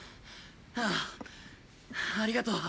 ああありがとう。